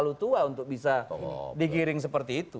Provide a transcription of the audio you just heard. tapi itu sudah terlalu tua untuk bisa digiring seperti itu